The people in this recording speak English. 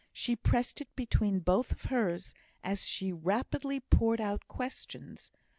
She pressed it between both of hers, as she rapidly poured out questions.